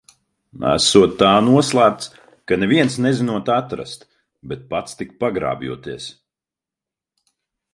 Esot tā noslēpts, ka neviens nezinot atrast, bet pats tik pagrābjoties.